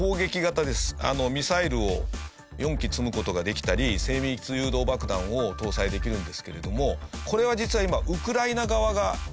ミサイルを４基積む事ができたり精密誘導爆弾を搭載できるんですけれどもこれは実は今。